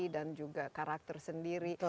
dan juga karakter sendiri